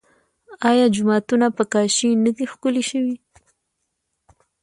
آیا جوماتونه په کاشي نه دي ښکلي شوي؟